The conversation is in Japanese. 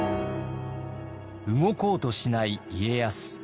動こうとしない家康。